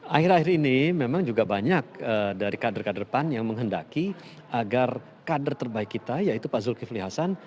akhir akhir ini memang juga banyak dari kader kader pan yang menghendaki agar kader terbaik kita yaitu pak zulkifli hasan